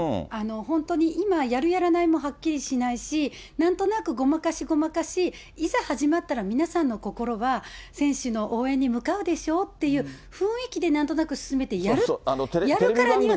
本当に今、やるやらないもはっきりしないし、なんとなくごまかしごまかし、いざ始まったら、皆さんの心は選手の応援に向かうでしょうっていう雰囲気でなくとなく進めて、やるからには。